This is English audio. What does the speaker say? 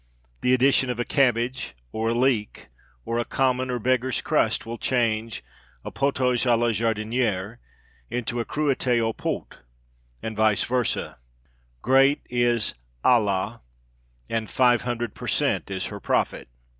The addition of a cabbage, or a leek, or a common or beggar's crust, will change a potage à la Jardinière into a Croûte au Pot, and vice versa. Great is "Ala"; and five hundred per cent is her profit!